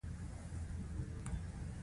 کله چې ور رسېږم احساس بېرته ژر له منځه ځي.